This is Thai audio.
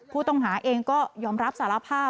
ผู้ต้องหาเองก็ยอมรับสารภาพ